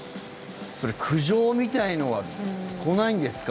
それ、苦情みたいのは来ないんですか？